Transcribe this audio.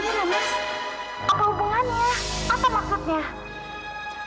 apa hubungannya apa maksudnya